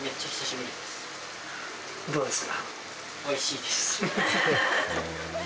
どうですか？